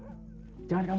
kalau begitu saya mohon pamit